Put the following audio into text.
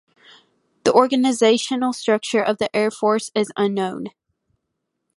The organizational structure of the Air Force is unknown.